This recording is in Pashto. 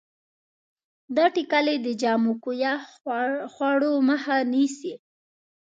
دا ټېکلې د جامو کویه خوړو مخه نیسي.